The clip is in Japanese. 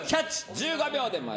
１５秒です。